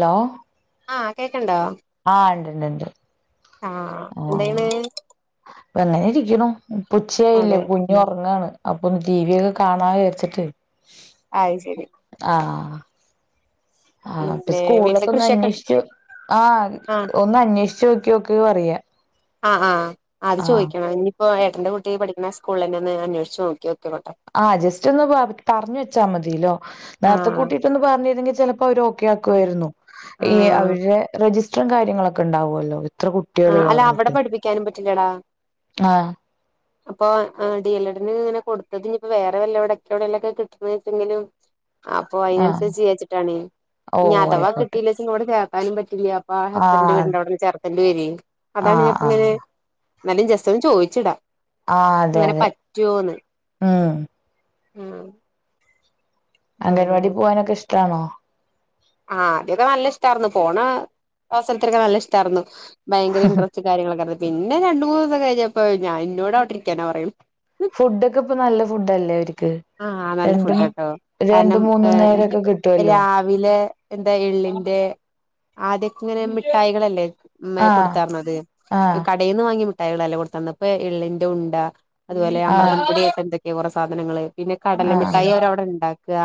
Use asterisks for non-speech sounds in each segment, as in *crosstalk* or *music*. Law? ആഹ്, കേക്ക്ണ്ടോ? ഇണ്ട് ഇണ്ട് ആ, എന്തെയ്യിണ്? പങ്ങനെ ഇരിക്ക്ണു, ഇപ്പൊ ഉച്ചയില്ലേ, അതെ കുഞ്ഞു ഉറങ്ങാണ്. അപ്പൊം ടി വി ഒക്കെ കാണാ വിചർച്ചിട്ട്. ആത് ശരി. ആഹ് ആഹ് ആഹ് ആഹ്, അപ്പ പിന്നെ വീട്ടില് സ്കൂളിലൊക്കെ ഒന്ന് കൃഷിയൊക്കെ അന്വേഷിച്ചു ആഹ, ആഹ് ഒന്ന് അന്വേഷിച്ച്നോക്കി യോക്ക് പറയാ. ആഹ് ആഹ്, അത് ആഹ് ചോദിക്കണം ഞ്ഞി ഇപ്പൊ ഏട്ടന്റെ കുട്ടി പഠിക്ക്ണ സ്കൂൾലെന്നെ ഒന്ന് അന്വേഷിച്ചു നോക്കി നോക്കെണ ട്ടോ? ആഹ്, ജസ്റ്റ് ഒന്ന് പറഞ്ഞ് വെച്ചാ മതിയല്ലോ, നേരത്തെ ആഹ് കൂട്ടിട്ടൊന്ന് പറഞ്ഞിരുന്നെങ്കിൽ ചെലപ്പോ അവരൊ ഉം കേൾക്കുവായിരുന്നു ഈ ആഹ് അവരുടെ രജിസ്റ്ററും കാര്യങ്ങളൊക്കെ ഉണ്ടാവല്ലോ ആഹ് അല്ല അവിടെ പഠിപ്പിക്കാനും പറ്റില്ലടാ ആഹ് അപ്പൊ ഡി എൽ എഡിന് ഇങ്ങന കൊടുത്തത് ഇനിപ്പോ വേറെ വല്ല എവിട എവിടെയല്ലൊക്കെ കിട്ടന്ന് വെച്ചെങ്കിലും അപ്പൊ ആഹ് അതിനനുസരിച്ച് ചീയ്യാച്ചിട്ടാണേ ഓ ഇനി അഥവാ ആയിക്കോട്ടെ കിട്ടീലച്ചങ്കെ ഇവിടെ കേറാനും പറ്റില്ല അപ്പ ആ ഹസ്ബന്ഡറ് ആഹ് വീടിന്റെ അവിടന്ന് ചേർക്കണ്ട വരി അതാണ് ആഹ് പ്പ ഇങ്ങനെ ആഹ് എന്നാലും ജസ്റ്റ് ഒന്ന് ചോയിച്ചിടാ ആഹ് അതെ ഇങ്ങനെ അതെ പറ്റുവോന്ന് ഉം ഉം അംഗൻവാടി പോവാനൊക്കെ ഇഷ്ടമാണോ ആഹ അദ്യൊക്കെ നല്ല ഇഷ്ടായിരുന്നു പോണ അവസരത്തിലൊക്കെ നല്ല ഇഷ്ടായിരുന്നു ഭയങ്കര ഇൻറസ്റ്റ് കാര്യങ്ങളൊക്കെ ഇ പിന്നെ രണ്ട് മൂന്ന് ദിവസം കഴിഞ്ഞപ്പപ്പോ ഞാ എന്നോടവിടെ ഇരിക്കാനാ പറയും ഫുഡ ഒക്കെ ഇപ്പൊ നല്ല ഫുഡ് അല്ലേ അവർക്ക് ആഹ നല്ല ഫുഡ് ആട്ടോ കാരണം മൂന്നും നേരൊക്കെ കിട്ടുവല്ലോ രാവെ വിലെ എന്താ എള്ളിന്റെ ആദ്യക്ക ഇങ്ങനെ മിഠായികളല്ലേ മ ആഹ് കൊടുത്തർന്നത് ആഹ് കടയിൽ നിന്ന് വാങ്ങി മിട്ടായികളല്ലാം കൊടുത്തന്ന ഇപ്പൊ എള്ളിന്റെ ഉണ്ട അതുപോലെ ആഹ് അമൃതം പൊടിയൊക്കെ എന്തൊക്കെ കുറെ സാധനങ്ങള് പിന്നെ കടല മിഠായി അവര അവിടെ ഉണ്ടാക്കുക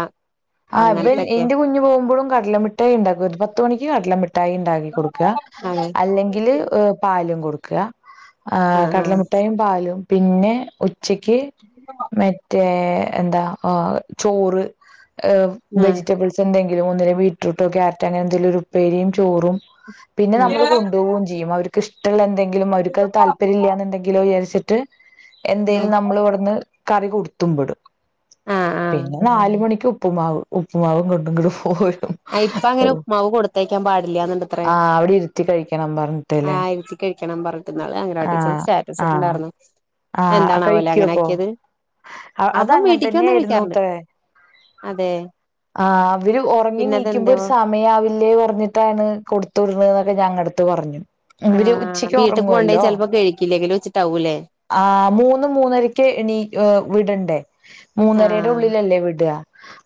ആഹ് വൻ എന്റെ കുഞ്ഞു പോകുമ്പോഴും കടലമിട്ടായി ഉണ്ടാക്കും ഒരു പത്ത മണിക്ക് കടലമിട്ടായി ഉ ഉണ്ടാക്കി കൊടുക്കുക അതെ അല്ലെങ്കിൽ പാലും കൊടുക്കുക ആഹ് കടല മുട്ടായും പാലും പിന്നെ ഉച്ചക്ക് മറ്റേ എന്താ ചോറ് വെജിറ്റബിൾ എന്തെങ്കിലും ഒന്നിനെ ബീറ്റ്‌റൂട്ട് കയാരറ്റ് അങ്ങനെ എന്തെങ്കിലും ഉപ്പേരിയും ചോറും പിന്നെ നമ്മൾ കൊണ്ടു ആഹ് പോകും ചെയ്യും അവർക്ക് ഇഷ്ടമുള്ള എന്തെങ്കിലും അവർക്ക് അത് താല്പര്യം ഇല്ലാന്ന് ണ്ടെങ്കിലോ വിചരിച്ചിട്ട് എന്തേലും നമ്മൾ ആഹ് ഇവിടുന്ന് കറി കൊടുത്തുവിടും ആഹ് പിന്നെ നാല് മണിക്ക് ഉപ്പുമാവ് ഉപ്പുമാവും കൊണ്ടും കൊണ്ട് പോരും ആഹ് ഇപ്പൊ അങ്ങനെ ഉപ്പുമാവ് കൊടുത്തേക്കാൻ പാടില്ല എന്നിണ്ട്ത്രേ ആഹ അവിടെ ഇരിത്തിക്കഴി ആഹ് ഇരുത്തി കഴിക്കണം പറഞ്ഞിട്ട് ന്നാള് അംഗനവാടി ആ ട്ടീച്ചറ് സ്റ്റാറ്റസ് ആ ഇട്ടുണ്ടായിരുന്നു ആ എന്താണാവോലെ അങ്ങനെ കഴിക്കുവപ്പോ ആക്കിയത്? അത് അവൻ അങ്ങനെ വീട്ടക്ക് വന്ന് കഴിക്കാറുണ്ട് തന്നെയായിരുന്നുത്രേ അതെ ആഹ് അവര് ഉറങ്ങി പിന്നെ നീക്കുമ്പോ ഒരു അതെന്തേവോ സ സമയാവില്ലേ പറഞ്ഞിട്ടാണ് കൊടുത്ത വിടണ് എന്നൊക്കെ ഞങ്ങളടുത്ത് പറഞ്ഞു ഇവര് ആഹ് ഉച്ചക്ക് വീട്ടിക്ക് കൊണ്ടയാ ഉറങ്ങുവല്ലോ ചെലപ്പോ കഴിക്കില്ലെങ്കിലോ വച്ചിട്ടാവൂല്ലേ ആഹ് മൂന്ന് മൂന്നരക്ക് ഇനി വിടണ്ടേ മൂന്നരയുടെ ആഹ് ഉള്ളിലല്ലേ വിട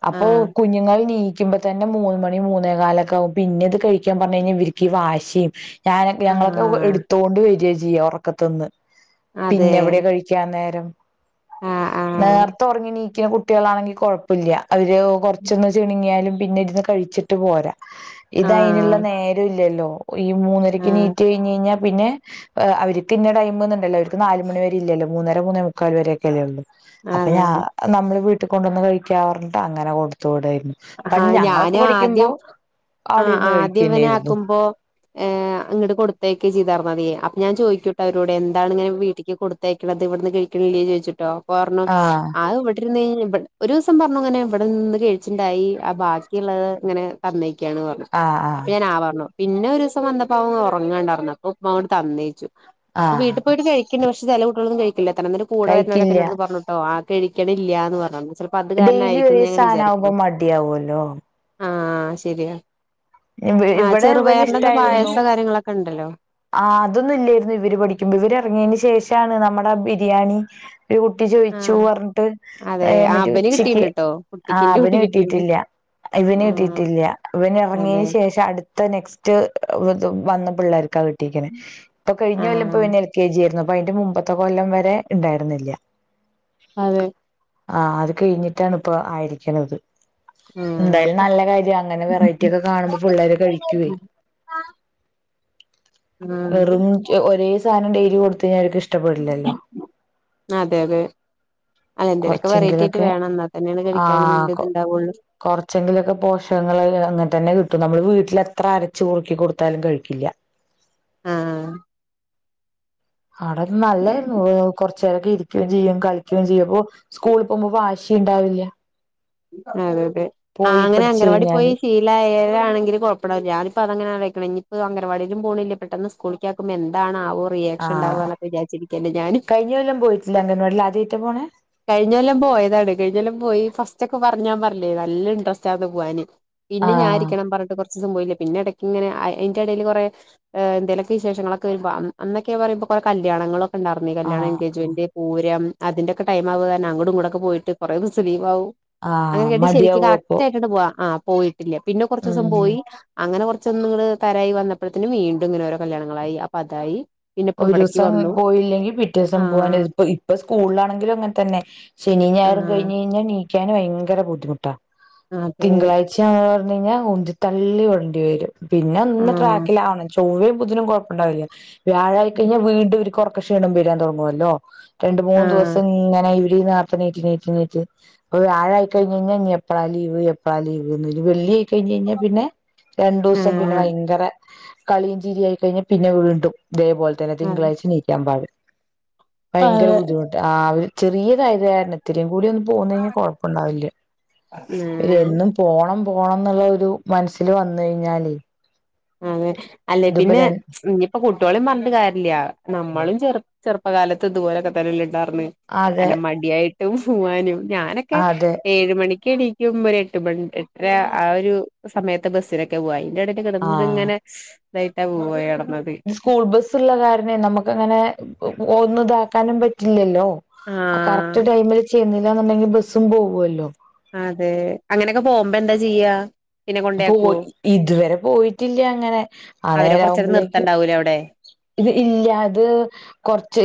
അപ്പൊ ആഹ് കുഞ്ഞുങ്ങൾ നീ ക്കുമ്പ തന്നെ മൂന്ന മണി മൂന്നേ കാലൊക്കെ ആകും പിന്നെ ഇത് കഴിക്കാൻ പറഞ്ഞു കഴിഞ്ഞാൽ ഇവരിക്ക് ഈ വാശിയും ഞാനൊക്കെ ഞങ്ങളൊക്കെ ആഹ് എടുത്തോണ്ട് വര ചെയ്യ ഉറക്കത്തന്ന് അതെ പിന്നെ എവിടെയ കഴിക്കാൻ നേരം ആഹ് ആഹ് നേരത്തെ ഉറങ്ങി നീക്കുന്ന കുട്ടികളാണെങ്കി കൊഴപ്പ പ്പല്ല്യ അവര് കൊറച്ചൊന്ന് ചുണുങ്ങിയാലും പിന്നെ ഇരുന്ന് കഴിച്ചിട്ട് ട്ട് പോരാ ഇതയ്നുള്ള ആഹ് നേര ഇല്ലല്ലോ ഈ മൂന്നരക്ക് ആഹ് നീറ്റ് കഴിഞ് കഴിഞ്ഞ പിന്നെ അവർക്ക്ന്ന ടൈംന്നണ്ടല്ലോ അവർക്ക് നാല് മണി വരെല്ലല്ലോ മൂന്നര മൂന്നേ മുക്കാല് വരെ ഒക്കെ അല്ലേ ഉള്ളൂ അപ്പൊ അതെ ഞാ നമ്മള് വീട്ടിൽ കൊണ്ടുവന്ന് കഴിക്കാ പറഞ്ഞിട്ട് അങ്ങനെ കൊടുത്തു വിടായിരുന്നു പണ്ട് ആഹ് ഞാന ഞങ്ങളൊക്കെ പഠിക്കുമ്പോ ആദ്യം അവിടെ ആഹ് ഇരുന്ന് കഴിക്കുക ആദ്യം ഇവനെ തന്നെയായിരുന്നു ആക്കുമ്പോ ഏഹ് ഇങ്ങട്ട കൊടുത്തയൊക്കെ ചെയ്തർന്നതേ അപ്പൊ ഞാൻ ചോയ്ക്കുട്ട അവരോടെ എന്താണ് ഇങ്ങനെ വീട്ടേക്ക് കൊടു തേക്കണത് ഇവിടുന്ന് കഴിക്കണില്ലേ ച്ചോദിച്ചിട്ടോ പറഞ്ഞു ആഹ് ഇവിടെരുന്ന് ഒരു ദിവസം പറഞ്ഞു ഇങ്ങനെ ഇവിടെ നിന്ന് കേഴിച്ചു ണ്ടായി ആ ബാക്കിയുള്ളത് ഇങ്ങനെ തന്നേക്കാണ് പറഞ്ഞു ആഹ് അപ്പൊ ആഹ് ഞാൻ ആ പറഞ്ഞു പിന്നെ ഒരു ദിവസം വന്നപ്പോ അവ ഉറങ്ങാണ്ടാർന്നു അപ്പൊ ഉപ്പ്മാ അവോട് തന്നേച്ചു അപ്പൊ വീട്ട ആഹ് പോയിട്ട് കഴിക്കണ്ട് പക്ഷെ ചെല കൂട്ടികളൊന്നും കഴിക്കില്ലത്രെ ന്നിട്ട് കൂടെ കഴിക്കില്ല വര്ന്നോരോക്കേന്നോട് പറഞ്ഞുട്ടോ ആഹ് കഴിക്കണില്ല എന്ന് പറഞ്ഞണ്ട് ചിലപ്പോ അത് കാരണം ആയിരിക്കും ഞങ്ങനെ വിചാരിക്കണോ ഡിയാവൊല്ലോ ആഹ് ശരിയാ അഹ് ഇവിടെ ഇവന് ചെറുപയറിന്റെക്കെ പായസം കാര്യങ്ങളൊക്കെ ഉണ്ടലോ. ആഹ് അതൊന്നും ഇല്യേയിരുന്നു ഇവര് പഠിക്കുമ്പോ ഇവര് ഇറങ്ങിയതിന് ശേഷാണ് നമ്മുടെ ബിരിയാണി. ഒരു കുട്ടി ചോയിച്ചു പറഞ്ഞിട്ട് അതെ ഹേ ആഹ് മെതി ഇബന് ഉച്ചക്ക്. കിട്ടീണ്ട് ട്ടോ കുട്ടിക്ക് ആഹ് ഇന്റെ അവന് കുട്ടിക്ക് കിട്ടീണ്ട് കിട്ടിയിട്ടില്ല ഇവന് ആഹ് കിട്ടിയിട്ടില്ല ഇവന് അതെ ഉറങ്ങീന്. ശേഷം അടുത്ത നെക്സ്റ്റ് വന്ന പിള്ളേർക്ക കിട്ടീക്കണെ. പ്പൊ കഴിഞ്ഞ കൊല്ലപ്പൊ ആഹ് ഇവന് എൽ കെ ജി ആയിരുന്നു അപ്പൊ അയിന്റെ മുമ്പത്തെ കൊല്ലം വരെ ണ്ടായിരുന്നില്ല്യ. അതെ. ആഹ് അത് കഴിഞ്ഞിട്ടാണ് ഇപ്പ ആയിരിക്കണത്. ആഹ് ന്തായാലും നല്ല കാര്യം അങ്ങനെ വെറൈറ്റി ഒക്കെ കാണുമ്പോ. പുള്ളേര് കഴിക്കുവേ ആഹ് എറും. ഒരേ സാധനം ഡെയിലി കൊടുത്ത് കഴിഞ്ഞ അവര്ക്ക് ഇഷ്ടപ്പെടില്ലല്ലോ. അതെ ലെ. അല്ല എന്തേലൊക്കെ വെറൈറ്റി അയിറ്റ് കൊറച്ചെങ്കിലൊക്കെ വേണം എന്നാൽ തന്നെയാണ് കഴിക്കാനും ആഹ് കൊ ന്റത്ണ്ടാവൊള്ളൂ. കൊറച്ചെങ്കിലൊക്കെ പോഷകങ്ങൾ അങ്ങനെ തന്നെ കിട്ടും നമ്മള് വീട്ടിലെത്ര അരച്ച് കുറുക്കി കൊടുത്താലും കഴിക്കില്ല. അഹ് ആഹ്. അടെ നല്ലായിരുന്നു കൊർ ച്ചരൊക്കെ ഇരിക്കുകയും ചെയ്യും കളിക്കുകയും അപ്പൊ സ്കൂളിൽ പോകുമ്പോ വാശിണ്ടാവില്യ. അതെ തെ ആഹ് അങ്ങനെ പഠിച്ചു അംഗൻവാടി പോയി കഴിഞ്ഞാല് ശീ ല്ല ഏഴാണങ്കിലും കൊഴപ്പല്ല ഞാനി പ്പോ അങ്ങന ആയിക്കുണ്‌ ഇനി ഇപ്പോ അൻഗന വാടിയിലും പോണില്ല പെട്ടെന്ന് സ്കൂളി യാക്കുമ്പോ എന്താണ് ആവോ റിയാക്ഷൻ ആഹ് ണ്ടാവുക എന്നൊക്കെ വിചാച്ചിരിക്കല്ലേ ഞാന്. കഴിഞ്ഞ കൊല്ലം പോയിട്ടില്ല അംഗൻവാടിയിൽ ആദ്യായിട്ടാ പോണേ കഴിഞ്ഞെല്ലം പോയതാണ് കഴിഞ്ഞെല്ലം പോയി ഫസ്റ്റ് ഒക്കെ പറഞ്ഞാൻ പറില്ലേ നല്ല ഇൻട്രസ്റ്റ് ആന്ന് പോവാന്. പിന്നെ ഞാ ആഹ് ഇരിക്കണം പറഞ്ഞിട്ട്കൊറച്ചിസം പോയില്ല പിന്നെ ഇടയ്ക്ക് ഇങ്ങനെ അയ്ൻന്റെ ഇടയില് കൊറെ. ഏ എന്തേലും ഒക്കെ വിശേഷങ്ങളൊക്കെ വരുമ്പം അന്നൊക്കെ ഞാൻ പറയും കൊറെ കല്യാണങ്ങളൊക്കെ ഉണ്ടായിരുന്നെ കല്യാണം ആഹ് എഗേജ്മെന്റ്. പൂരം അതിന്റെയൊക്കെ ടൈമാവുക അങ്ങടും ഇങ്ങോടും പോയിട്ട് കൊറേ ദിവസം ലീവാവും. അങ്ങനെ ആഹ് കേട്ട് ശരിക്ക് മടിയാവും അപ്പൊ കറക്റ്റ് ആയിട്ടാണ്ട് പോവാ ആഹ് പോയിട്ടില്ല പിന്നെ കൊറച്ച് ദിവസം ഉം പോയി. അങ്ങനെ കൊറച്ചൊന്ന് അങ്ങട് തരവായി വന്നപ്പോഴത്തിന് വീണ്ടും ഇങ്ങനെ ഓരോ കല്യാണങ്ങളായി അപ്പൊ അതായി. പിന്നെ ഇപ്പോ ഒരു ഇവിടേക്ക് ദിവസം വന്നു പോയില്ലെങ്കിൽ പിറ്റേ ആ ദിവസം പോവാനും ഇപ്പ ഇപ്പ സ്കൂളിലാണെങ്കിലും അങ്ങനെ തന്നെ ശനിയും ആ ഞായറും കഴിഞ്ഞു കഴിഞ്ഞാൽ എണീക്കാന് ഭയങ്കര ബുദ്ധിമുട്ടാ അതെ തിങ്കളാഴ്ച- ച്ചായ പറഞ്ഞു കഴിഞ്ഞാൽ ഉന്തിത്തള്ളി വിടണ്ടി വരും പിന്നെ ഒന്ന് ആ ട്രാക്കിലാവ- ചൊവ്വയും ബുധനും കൊഴപ്പം ഉണ്ടാവില്ല വ്യാഴം ആയി കഴിഞ്ഞാൽ വീണ്ടും ഇവര്ക്ക് ഒറക്ക ക്ഷീണം വരാൻ തുടങ്ങുവല്ലോ. രണ്ട് മൂന്ന് ആഹ് ദിവസം ഇങ്ങനെ ഇവര് ഇതിനാത്ത് നീറ്റ് നീറ്റ് നീറ്റ്. വ്യാഴായി കഴിഞ്ഞ് കഴിഞ്ഞാൽ ഇനി എപ്പളാ ലീവ് എപ്പളാ ലീവ്ന്ന് വെള്ളിയായി കഴിഞ്ഞ് കഴിഞ്ഞാൽ പിന്നെ- രണ്ടു ദെവസം പിന്നെ ആഹ് ഭയങ്കര കളിയും ചിരിയും ആയി കഴിഞ് പിന്നെ വീണ്ടും ഇതേപോലെ- ചെല തിങ്കളാഴ്ച എണീക്കാൻ പാട് ഭയങ്കര അത് ബുദ്ധിമുട്ട്. ആഹ് ചെറിയ *unintelligible* തായത് കാരണം ഇത്തിരിം കൂടി ഒന്ന്. പോന്ന് കഴ്ഞ്ഞാൽ കൊഴപ്പുണ്ടാവുല്ല ഉം എന്നും- പോണം പോണന്നുള്ള ഒരു മനസ്സിൽ വന്ന് കഴിഞ്ഞാലെ ആഹ് അതെ അല്ലെ പിന്നെ- പ്പൊ കുട്ടികളേം പറഞ്ഞിട്ട് കാര്യവില്യ നമ്മളും ചെറു ചെറുപ്പകാലത്ത് ഇതുപൊലൊക്കെ തന്നെ അല്ലേ ഇണ്ടാർന്നെ അതെ അങ്ങനെ മടിയായിട്ടും പോവാനും ഞാനൊക്കെ അതെ ഏഴ് മണിക്ക് എണി- ക്കും ഒരു എട്ട് മണി എട്ടര ആ ഒരു സമയത്ത് ബസ്സിനൊക്കെയാ പോവാ അയ് അതിന്റെ ഇടക്ക് കെടന്ന് ഇത് ഇങ്ങനെ ആഹ് - ലെയിറ്റാ പോയി കെടന്നത്. സ്കൂൾ ബസ്സുള്ള കാരണെ നമുക്ക് അങ്ങനെ ഒന്നും ഇതാക്കാനും പറ്റില്ലല്ലോ. ആ ആഹ് കറക്റ്റ് ടൈമില് ചെന്നില്ലാന്നുണ്ടെങ്കി ബസ്സും പോവുവല്ലോ. അതെ അങ്ങനെയൊക്കെ പോകുമ്പോ എന്താ ചെയ്യാ? പിന്നെ അപ്പൊ കൊണ്ടോയിയാക്കോ ഇതുവരെ പോയിട്ടില്ല അങ്ങനെ ആ അവരെ കൊറച്ച് നേരം നേരാവുമ്പോഴേക്കും നിർത്തണ്ടാവൂലേ അവിടെ. ഇത് ഇല്ല ഇത് കൊറച്ച്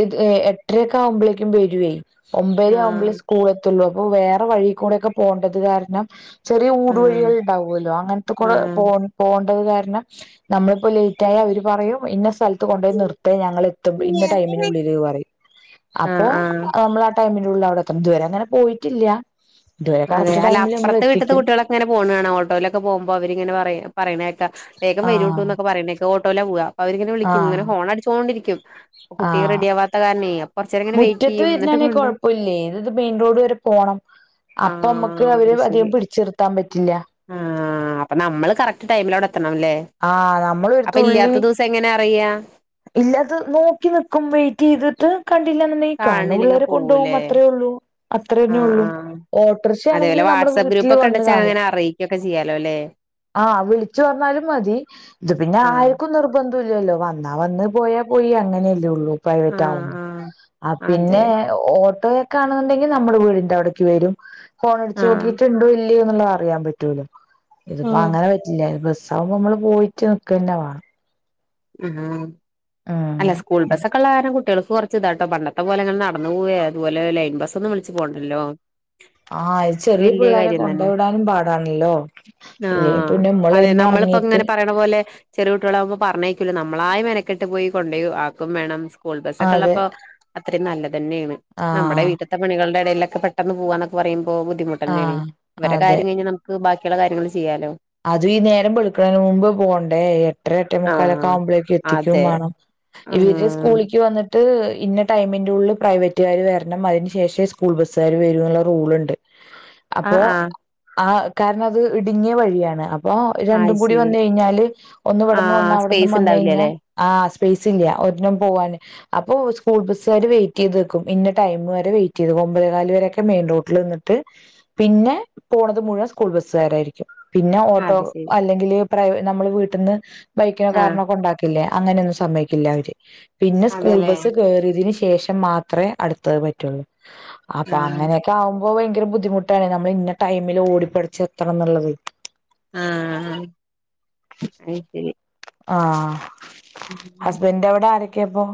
എട്ടരയൊക്കെ ആവുമ്പോളേക്കും വരുവേ. ഒമ്പതെര ആകുമ്പളേ ആഹ് സ്കൂള് എ എത്തുള്ളൂ അപ്പൊ വേറെ വഴി കൂടെയൊക്കെ പോകണ്ടത് കാരണം- ചെറിയ ഊട് ആഹ് വഴികൾ ഉണ്ടാവുവല്ലോ അങ്ങനത്തെക്കൂടെ ആഹ് പോ- പോകേണ്ടത് കാരണം നമ്മളിപ്പോ ലേറ്റ് ആയ അവര് പറയും ഇന്ന സ്ഥല- കൊണ്ടൊയി നിർത്തെ ഞങ്ങള് എത്തും ഇന്ന ടൈമിനുള്ളില് പറയും അപ്പോ ആഹ് ആഹ് നമ്മള്- ടൈമിനുള്ളിൽ അവിടെത്തണം ഇത് വരെ അങ്ങനെ പോയിട്ടില്ല. ഇതുവരെ അതെ കറക്റ്റ് അല്ല ടൈമില് നമ്മൾ അപ്പറത്തെ വീട്ടിത്തെ എത്തിക്കും കുട്ടികളെ - അങ്ങനെ പോണ കാണാം ഓട്ടോയിലൊക്കെ പോകുമ്പോ അവരിങ്ങനെ പറയണ കേക്കാം വേഗം വരൂ ട്ടു ആഹ് എന്നൊക്കെ- പറയണേ. ഓട്ടോയില പോവാ അപ്പ അവരിങ്ങനെ വിളിക്കും ഇങ്ങനെ ആഹ് ഹോൺ അടിചോണ്ടിരിക്കും കുട്ടി ആഹ് റെഡിയാവാത്ത കാരണെ. മുറ്റത്ത് വരുന്നാണെങ്കി കൊഴപ്പവില്ലേ ഇത് മെയിൻ റോഡ് വരെ പോണം. അപ്പൊ അമ്മക്ക് ആഹ് അവരെ അധികം പിടിച്ചി നിർത്താൻ പറ്റില്ല. ആ അപ്പൊ നമ്മള് കറക്റ്റ് ടൈമിൽ അവിടെ എത്തണം അല്ലേ ആഹ് നമ്മള് അപ്പൊ ഇല്ലാത്ത ദിവസം- അത് എങ്ങനെ അറിയാം ഇല്ലാത്തത് നോക്കി നിക്കും വെയിറ്റ് ചെയ്തിട്ട്. കണ്ടില്ലന്നുണ്ടെങ്കി കാണണ കാണില്ലെങ്കി പുള്ളാര് കൊണ്ടോകും പോവൂലേ അത്രേ ഒള്ളൂ. അത്ര തന്നെ ആഹ് ഒള്ളൂ ആഹ് അതേപോലെ ഓട്ടോറിക്ഷയാണെങ്കില് നമ്മുടെ വാട്സആപ്പ് ഗ്രൂപ്പ് വീട്ടില് ഒക്കെ വന്ന് ഉണ്ടെച്ചാ കാണി അങ്ങനെ *unintelligible* ആ വിളിച്ച് പറഞ്ഞാലും മതി ഇത് പിന്നെ ആഹ് ആരുക്കും നിർബ- ബന്ധം ഇല്ലല്ലോ വന്നാ വന്ന് പോയാ പോയി അങ്ങനെയല്ലേ ഒള്ളൂ. പ്രൈവറ്റ് ആവും ആഹ് ആഹ് ആ അതെ പിന്നെ- ഓട്ടോയൊക്കെ ആണെന്നുണ്ടെങ്കിൽ നമ്മുടെ വീടിന്റെ അവിടേക്ക് വരും ഹോണടിച്ച് ആഹ് നോക്കിയിട്ട് ഇണ്ടോ ഇല്ലേ അറിയാൻ പറ്റുല്ലോ ഇതിപ്പോ അങ്ങനെ പറ്റില്ല ബസ്സാവുമ്പോ നമ്മൾ പോയിട്ട് നിക്കന്നെ വാണം. ആഹാ ഉം അല്ല സ്കൂൾ ബസ്സൊക്കെ ഉള്ള കാരണം കുട്ടികൾക്ക് കൊ ച്ച്താട്ടോ പണ്ടത്തെ പോലെങ്ങനെ നടന്ന് പോവെ അതുപോലെ ലൈൻ ബസ് ഒന്നും വിളിച്ച് പോണ്ടല്ലോ? ആഹ ഇ ചെറിയ വലിയ പിള്ളേരെ കാര്യം കൊണ്ട് തന്നെ വിടാനും പാടാണല്ലോ? ല്ലെ ആഹ് പിന്നെ മ്മള് അതെ തന്നെ ഇറങ്ങി. നമ്മളിപ്പോ ഇങ്ങനെ പറയ്ണ പോലെ ചെറിയ കുട്ടികളാകുമ്പോ പറഞ്ഞേക്കുല്ല നമ്മളായി മെനക്കെട്ട് പോയി കൊണ്ട് പോയി ആക്കും വേണം. സ്കൂൾ ബസ് ഒക്കെ അതെ ഉള്ളപ്പോ അത്രയും നല്ലതന്നേണ് നമ്മുടെ ആഹ് വീട്ട പണകളുടെ ഇടയിലൊക്കെ പെട്ടെന്ന് പോവാന്നൊക്കെ പറയുപോ ബുദ്ധിമുട്ടന്നേണ് ആഹ് ഇവരെ കാര്യ അതെ കഴിഞ്ഞാൽ ന ബാക്കിയുള്ള കാര്യങ്ങൾ ചെയ്യാലോ? അതും ഈ നേരം വെള്ക്കണതിന് മുമ്പ് പോണ്ടേ എട്ടര എട്ടേ മുക്കാലൊക്കെ. ആഹ് ആകുമ്പളേത്തിന് എത്തിക്കും അതെ വണം ഇവര് സ്കൂ ആഹ് ളിക് വ ട്ട് ഇന്ന ടൈമിന്റെ ഉള്ളിൽ പ്രൈവറ്റുകാര് വരണം അതിന്ശേഷേ സ്കൂൾ ബസ്സുകാർ വരുന്നുള്ള റൂൾണ്ട്. അപ്പോ ആഹ് ആഹ് ആഹ കാരണം അത് ഇടുങ്ങിയ വഴിയാണ്. അപ്പൊ രണ്ടും അത് കൂടി ശരി വന്ന് കഴിഞ്ഞാല് ഒന്ന് ഇവിടന്നും ഒന്ന് ആഹ് അവിടന്നും സ്പേസ് വന്ന് കഴിഞ്ഞാൽ. ഉണ്ടാവില്ലല്ലേ ആഹ സ്പേസ് ഇല്ല ഒരെണം പോവാന്. അപ്പൊ സ്കൂൾ ബസ്സുകാര് വെയിറ്റ് ചെയ്ത് നിക്കും ഇന്ന ടൈം വരെ വെയിറ്റ് ചെയ്തു ഒമ്പതെകാല് വരെയൊക്കെ മെയിൻ റോഡ്. ട്ടിൽ നിന്നിട്ട് പിന്നെ പോണത് മുഴുവൻ സ്കൂൾ ബസ്സുകാരായിരിക്കും. പിന്നെ ഓട്ടോ അത് ശരി അല്ലെങ്കില് പ്രൈവ നമ്മള് വീട്ടിന്ന് ബൈക്കിനോ ആഹ് കാറിനോ കൊണ്ടാ ക്കിലേ അങ്ങനൊന്നും സമ്മയിക്കില്ല അവര് പിന്നെ സ്കൂൾ അതെല്ലേ ബസ് കേറിയതിന് ശേഷം മാ ത്രേ അടുത്തത് പറ്റൊള്ളൂ അപ്പൊ ആഹ് അങ്ങനെ. ആകുമ്പോ ഭയങ്കര ബുദ്ധിമുട്ടാണ് നമ്മള് ഇന്ന ടൈമില് ഓടിപ്പെടച് എത്തണംന്ന്ള്ളത്. ആഹ അയ് ശരി. ആഹ ഹസ്ബൻഡിന്റ അവിടെ ആരൊക്കെയപ്പോ?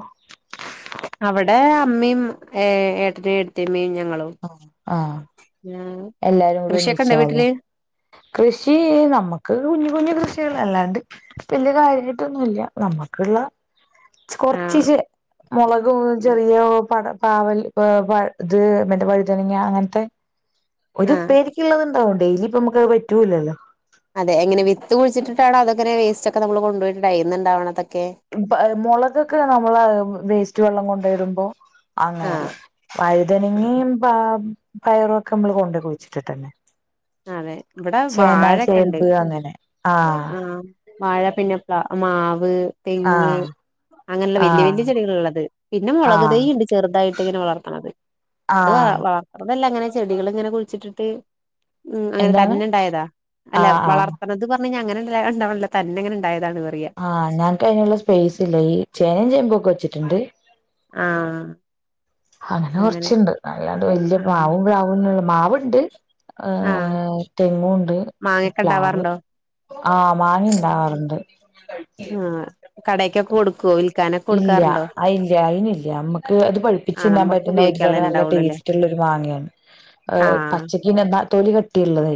അവിടെ അമ്മയും ഏ ഏട്ടനും എടത്തിയമ്മയും ഞങ്ങളും. ഓ ആഹ *unintelligible* എല്ലാരും കൂടെ കൃഷിയൊക്കെ ഇണ്ടോ ഒന്നിച്ചാലേ? വീട്ടില് കൃഷി നമ്മക്ക് കുഞ്ഞു കുഞ്ഞു കൃഷികൾ അല്ലാണ്ട്. വല്യ കാര്യമായിട്ടൊന്നുല്ല നമ്മക്ക്ള്ള. കൊറച്ചി ആഹ് ചെ മുളകു ചെറിയ പടം പാവൽ ഇത് മറ്റെ വഴുതനങ്ങ അങ്ങനത്തെ. ഒരു ആഹ് ഉപേരിക്ള്ളത്ണ്ടാവും ഡെയിലി ഇപ്പ നമുക്ക് അത് പറ്റൂല്ലല്ലോ? അതെ എങ്ങനെ വിത്ത് കുഴിച്ചിട്ടാണോ അതോ ഇങ്ങനെ വേസ്റ്റ് ഒക്കെ നമ്മൾ കൊണ്ട് പോയിട്ട് ആയിന്നണ്ടാവണ തൊക്കെ. മുളകൊക്കെ നമ്മളെ വേസ്റ്റ് വെള്ളം കൊണ്ടോയിടുമ്പോ? അങ്ങനെ ആഹ് ആഹ് വഴുതനങ്ങയും പയറുംഒക്കെ നമ്മള് കൊണ്ട് കുഴിച്ചിട്ടിട്ടന്നെ അതെ ഇവിടെ ചേന വാഴൊക്കെ ഉണ്ട് ചേമ്പ് അങ്ങനെ ആഹ് ആഹ വാഴ പിന്നെ പ മാവ് തെങ്ങ് ആഹ് അങ്ങനെയുള്ള വലിയ ആഹ് വലിയ ചെടികൾ ഉള്ളത് പിന്നെ മുളകു തൈ ആഹ് ഉണ്ട് ചെറുതായിട്ട് ഇങ്ങനെ വളർത്തണത് അത് വ ആഹ് വളർത്തുന്നത് അല്ല ഇങ്ങനെ ചെടികൾ ഇങ്ങനെ കുഴിച്ചിട്ടിട്ട് ഉ അങ്ങനെ എന്താണ് തന്നെണ്ടായതാ അല്ല ആഹ് ആഹ് വളർത്തണത് അങ്ങനെണ്ടല്ല തന്നെങ്ങനെ ഉണ്ടായതാണ്ന്ന് പറയുക ആഹ് ഞങ്ങക്ക് അതിനുള്ള സ്പേസ്ല്ല ഈ ചേനയും ചേുമമ്പൊ ഒക്കെ വെച്ചിട്ടുണ്ട് ആഹ അങ്ങനെ കൊറച്ചുണ്ട് അല്ലാണ്ട് വല്യ ആഹ് മാവും പാവുംള്ള മാവുണ്ട് ആഹ് ഏഹ തെങ്ങുണ്ട് മാങ്ങക്കെ പ്ലാവ് ഇണ്ടാവാറുണ്ടോ ആഹ് മാങ്ങണ്ടാവാറുണ്ട് കടേക്കെക്കൊ കൊടുക്കോ വിൽ ഇല്ല അതില്ല അയ്ന്ല്ല്യ നമ്മക്ക് ഇത് പഴിപ്പിച്ച് ആഹ് തിന്നാൻ നമ്മക്ക് പറ്റുന്ന ഒരുതരം ഉപയോഗിക്കാനുള്ളതന്നെ നല്ല ഇണ്ടാവുള്ളൂല്ലേ ടേസ് റ്റുള്ളൊരു മാങ്ങേണ്. ഏഹ് ആഹ് പച്ച ക്ക്ന് എന്നാ തൊലി കട്ടിള്ളതേ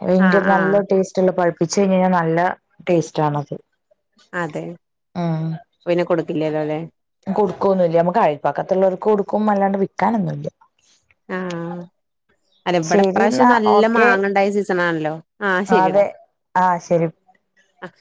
അത് ആഹ് ഭയങ്കര ആഹ് നല്ല ടേസ് റ്റെല്ലോ പഴിപ്പിച്ച് കഴിഞഴിഞ്ഞാ നല്ല ടേസ്റ്റ് ആണത്. അതെ. അപ്പൊപിന്നെ കൊടുക്കില്ലല്ലോ ല്ലേ. കൊടുക്കൊന്നുല്ല്യ നമുക്ക് അഴൽപ്പക്കത്തുള്ളവർക്ക് കൊടുക്കും അല്ലാണ്ട് വിക്കാനൊന്നുല്ല്യ. ആഹ്. അല്ല ഇബടെ ശരി ഇപ്രാശ്യം എന്നാ നല്ല ഓക്കെ മാങ്ങണ്ടായ സീസണാണല്ലോ ആഹ് ശരിടാ. അതെ ആഹ് ശരി. അഹ്.